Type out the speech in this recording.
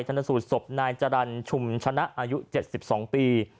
ชนสูตรศพนายจรรย์ชุมชนะอายุ๗๒ปี